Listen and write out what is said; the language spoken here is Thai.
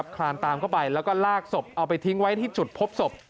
คลานตามเข้าไปแล้วก็ลากศพเอาไปทิ้งไว้ที่จุดพบศพ